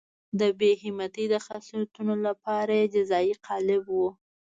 د بې همتۍ د خاصیتونو لپاره یې جزایي قالب وو.